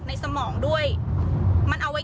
กินให้ดูเลยค่ะว่ามันปลอดภัย